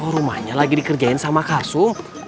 rumahnya lagi dikerjain sama karsu